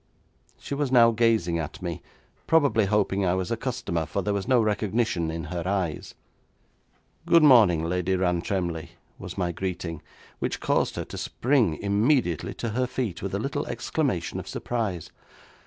She was now gazing at me, probably hoping I was a customer, for there was no recognition in her eyes. 'Good morning, Lady Rantremly,' was my greeting, which caused her to spring immediately to her feet, with a little exclamation of surprise.